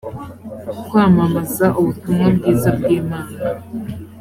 kwamamaza ubutumwa bwiza bw’imana